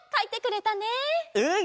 うん！